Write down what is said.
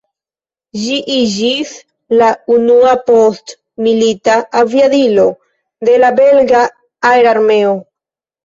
Ĝi iĝis la unua postmilita aviadilo de la belga aerarmeo.